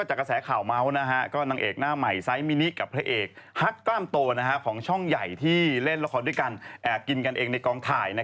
ใหไฟไซค์มินิกะเพศเองการตัวนะคะของช่องใหญ่ที่เล่นละครด้วยกันเอากินกันเองในกล่องถ่ายนะ